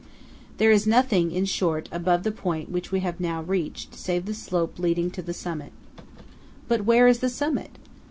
There is nothing, in short, above the point we have now reached, save the slope leading to the summit. But where is the summit?